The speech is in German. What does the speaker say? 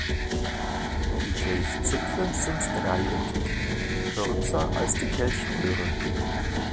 Die Kelchzipfel sind dreieckig, kürzer als die Kelchröhre.